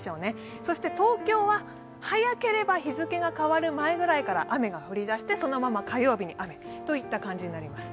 そして東京は早ければ日付が変わる前ぐらいから雨が降り出して、そのまま火曜日は雨といった感じになります。